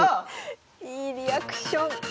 いいリアクション。